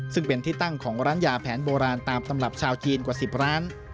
ซึ่งเป็นที่ตั้งของร้านยาแผนโบราณตามตำรับชาวจีนกว่า๑๐ร้าน